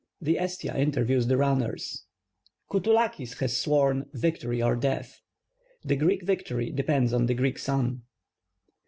Tni , "I'^stia" Interviews the Runners ‚ÄĒ Coutoulakts Has Sworn, "Victokv or Death." ‚ÄĒ The Greek Victory Depends i).\ THE Greek Sun.